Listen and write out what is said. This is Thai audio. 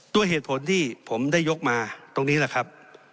ด้วยเหตุผลที่ผมได้ยกมาตรงนี้แหละครับ